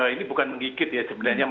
ini bukan menggigit ya sebenarnya